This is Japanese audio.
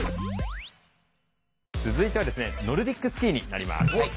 続いてはノルディックスキーになります。